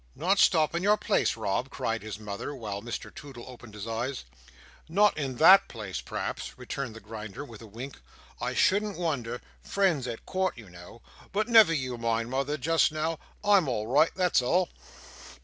"Not stop in your place, Rob!" cried his mother; while Mr Toodle opened his eyes. "Not in that place, p'raps," returned the Grinder, with a wink. "I shouldn't wonder—friends at court you know—but never you mind, mother, just now; I'm all right, that's all."